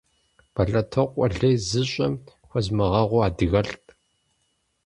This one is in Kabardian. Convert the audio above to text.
Бэлэтокъуэ лей зыщӀэм хуэзмыгъэгъу адыгэлӀт.